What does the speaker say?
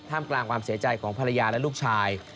กลางความเสียใจของภรรยาและลูกชาย